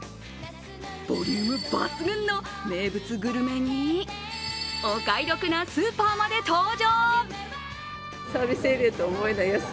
ボリューム抜群の名物グルメにお買い得なスーパーまで登場。